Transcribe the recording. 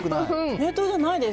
冷凍じゃないです。